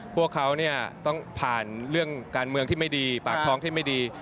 พวกเขาต้องผ่านเรื่องการเมืองที่ไม่ดีปากท้องที่ไม่ดี